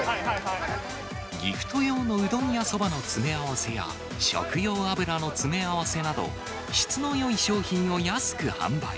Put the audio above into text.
ギフト用のうどんやそばの詰め合わせや、食用油の詰め合わせなど、質のよい商品を安く販売。